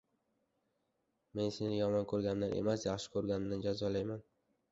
Men seni yomon ko‘rganimdan emas, yaxshi ko‘rganimdan jazolayman.